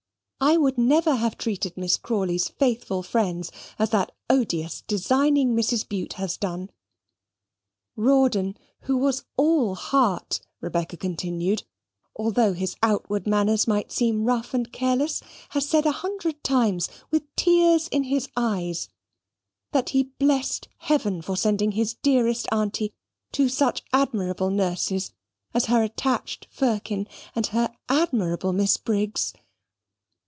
I would never have treated Miss Crawley's faithful friends as that odious designing Mrs. Bute has done. Rawdon, who was all heart," Rebecca continued, "although his outward manners might seem rough and careless, had said a hundred times, with tears in his eyes, that he blessed Heaven for sending his dearest Aunty two such admirable nurses as her attached Firkin and her admirable Miss Briggs.